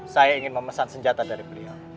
saya ingin memesan senjata dari beliau